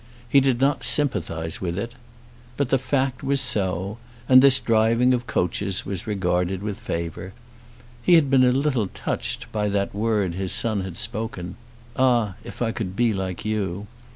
He did not sympathise with it. But the fact was so, and this driving of coaches was regarded with favour. He had been a little touched by that word his son had spoken. "Ah, if I could be like you!"